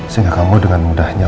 sehingga kamu dengan mudahnya